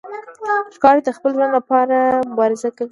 ښکاري د خپل ژوند لپاره مبارزه کوي.